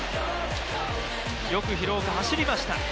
よく廣岡、走りました。